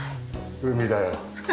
「海だよ」。